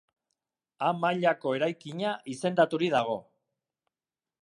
A mailako eraikina izendaturik dago.